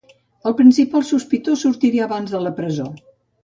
El principal sospitós sortirà abans de la presó.